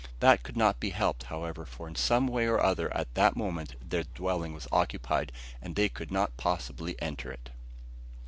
That could not be helped, however, for in some way or other at that moment their dwelling was occupied, and they could not possibly enter it.